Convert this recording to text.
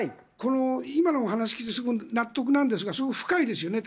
今のお話を聞いていて納得なんですが、深いですよね。